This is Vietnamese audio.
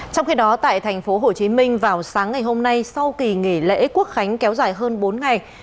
trong khi đó tại tp hcm vào sáng ngày hôm nay sau kỳ nghỉ lễ quốc khánh kéo dài hơn bốn ngày